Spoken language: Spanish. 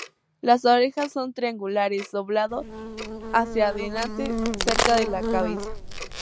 Las orejas son triangulares, doblado hacia adelante, cerca de la cabeza.